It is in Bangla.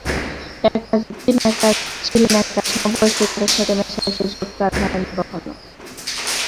তিনি ছিলেন একা, সমবয়সী কারো সাথে মেশার সুযোগ তার কখনো হয়নি।